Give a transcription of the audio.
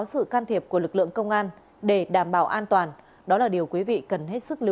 sự can thiệp của lực lượng công an để đảm bảo an toàn đó là điều quý vị cần hết sức lưu